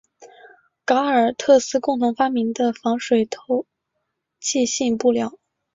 戈尔特斯共同发明的防水透气性布料。